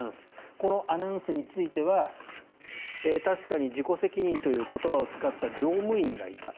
このアナウンスについては確かに自己責任という言葉を使った乗務員がいた。